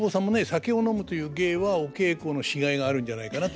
酒を飲むという芸はお稽古のしがいがあるんじゃないかなというふうに。